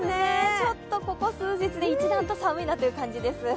ちょっとここ数日で一段と寒いなという感じです。